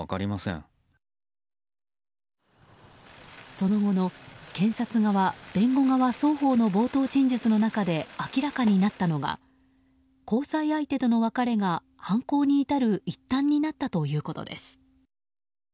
その後の検察側、弁護側双方の冒頭陳述の中で明らかになったのが交際相手との別れが犯行に至る一端になったということです。